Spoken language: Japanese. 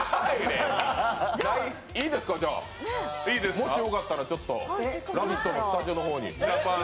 いいですか、もしよかったら「ラヴィット！」のスタジオの方に。